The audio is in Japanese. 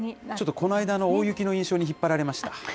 この間の大雪の印象に引っ張られました。